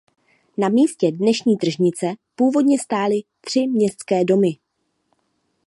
Na místě dnešní tržnice původně stály tři městské domy.